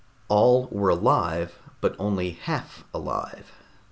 All were alive, but only half alive.